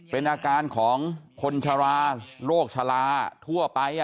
เป็นอาการของคนชะลาโรคชะลาทั่วไป